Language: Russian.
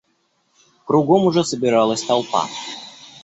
Кругом уже собиралась толпа.